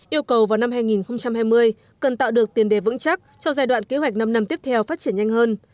yêu cầu vào năm hai nghìn hai mươi cần tạo được tiền đề vững chắc cho giai đoạn kế hoạch năm năm tiếp theo phát triển nhanh hơn